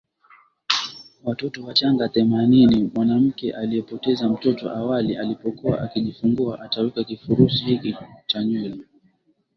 watoto wachanga Themanini Mwanamke aliyepoteza mtoto awali alipokuwa akijifungua ataweka kifurushi hiki cha nywele